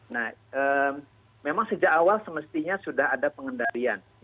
nah memang sejak awal semestinya sudah ada pengendalian